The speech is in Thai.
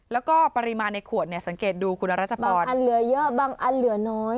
แล้วก็ปริมาณในขวดเนี่ยสังเกตดูคุณรัชพรบางอันเหลือเยอะบางอันเหลือน้อย